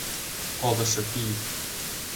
Колышо пий!